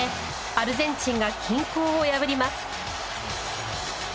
アルゼンチンが均衡を破ります。